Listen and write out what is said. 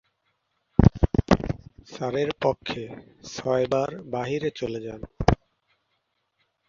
সারের পক্ষে ছয়বার বাইরে চলে যান।